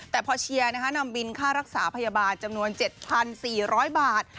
แต่พอเชียร์นำบินค่ารักษาพยาบาลจำนวน๗๔๐๐บาท